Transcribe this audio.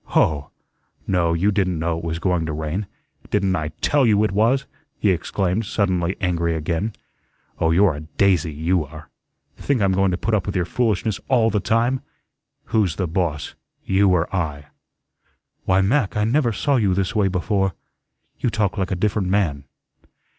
"Hoh! no, you didn't know it was going to rain. Didn't I TELL you it was?" he exclaimed, suddenly angry again. "Oh, you're a DAISY, you are. Think I'm going to put up with your foolishness ALL the time? Who's the boss, you or I?" "Why, Mac, I never saw you this way before. You talk like a different man."